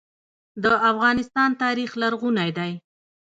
د افغانستان تاریخ لرغونی دی